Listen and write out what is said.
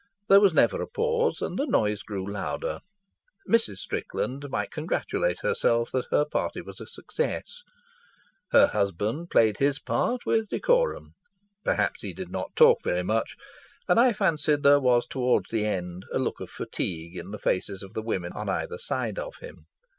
There was never a pause, and the noise grew louder. Mrs. Strickland might congratulate herself that her party was a success. Her husband played his part with decorum. Perhaps he did not talk very much, and I fancied there was towards the end a look of fatigue in the faces of the women on either side of him.